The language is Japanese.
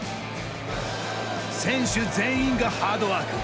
選手全員がハードワーク。